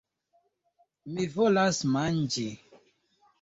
Mi volas manĝi...